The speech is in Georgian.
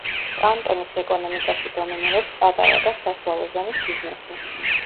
კანტონის ეკონომიკაში დომინირებს პატარა და საშუალო ზომის ბიზნესი.